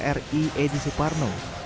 pak r r i edy suparno